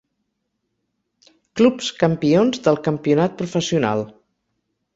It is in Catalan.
Clubs campions del campionat professional.